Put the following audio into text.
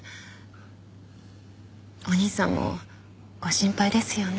お兄さんもご心配ですよね。